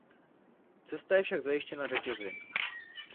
Cesta je však zajištěna řetězy.